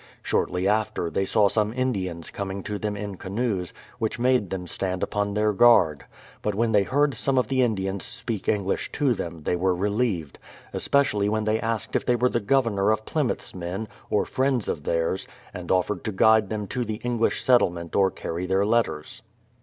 Shortly after, they saw some Indians coming to them in canoes, which made them stand upon their guard. But when they heard some of the Indians speak English to them, they were relieved, especially when they asked if they were the Governor of Plymouth's men, or friends of theirs, and offered to guide them to the English settlement or carry their letters.